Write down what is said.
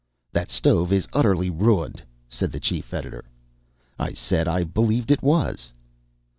"That stove is utterly ruined," said the chief editor. I said I believed it was.